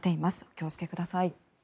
お気をつけください。